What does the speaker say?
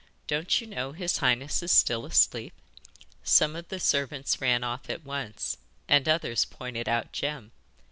Don't you know his highness is still asleep?' Some of the servants ran off at once, and others pointed out Jem.